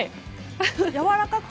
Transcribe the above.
やわらかい！